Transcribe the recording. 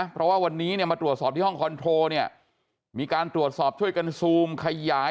เพราะว่าวันนี้เนี่ยมาตรวจสอบที่ห้องคอนโทรเนี่ยมีการตรวจสอบช่วยกันซูมขยาย